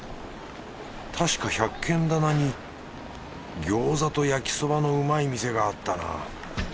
たしか百軒店に餃子と焼きそばのうまい店があったな。